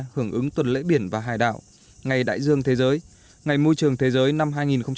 hải đảo ngày đại dương thế giới ngày môi trường thế giới năm hai nghìn hai mươi